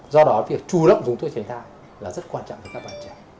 do đó việc chủ động dùng thuốc tránh thai là rất quan trọng cho các bạn trẻ